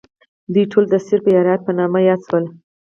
دوی ټول د سرف یا رعیت په نامه یاد شول.